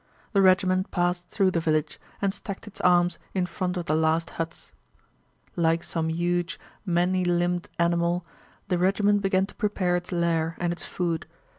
The regiment passed through the village and stacked its arms in front of the last huts. Like some huge many limbed animal, the regiment began to prepare its lair and its food.